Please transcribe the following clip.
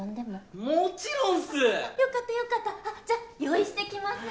じゃ用意してきます。